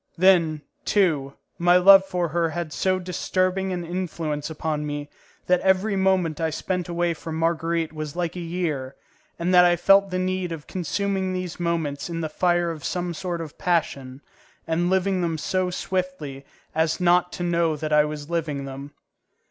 Then, too, my love for her had so disturbing an influence upon me that every moment I spent away from Marguerite was like a year, and that I felt the need of consuming these moments in the fire of some sort of passion, and of living them so swiftly as not to know that I was living them.